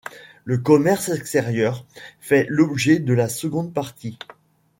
Le commerce extérieur fait l'objet de la seconde partie.